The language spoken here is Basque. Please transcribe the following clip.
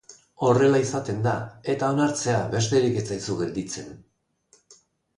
Horrela izaten da, eta onartzea besterik ez zaizu gelditzen.